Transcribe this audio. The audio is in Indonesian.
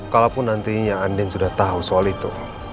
kalaupun nantinya andien sudah tau soal itu